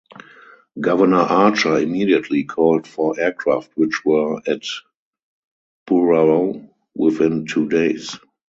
Governor Archer immediately called for aircraft which were at Burao within two days.